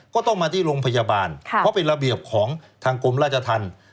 ก็ต้องมาที่โรงพยาบาลเพราะเป็นระเบียบของทางกรมราชธรรม